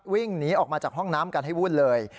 วิ่งหนีออกมาจากห้องน้ำกันให้วุ่นเลย